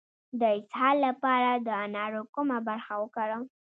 د اسهال لپاره د انارو کومه برخه وکاروم؟